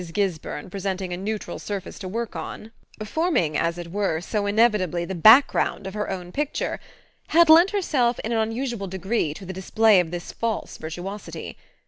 Gisburn, presenting a neutral surface to work on forming, as it were, so inevitably the background of her own picture had lent herself in an unusual degree to the display of this false virtuosity.